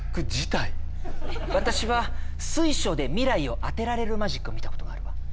私は水晶で未来を当てられるマジックを見たことがあるわ。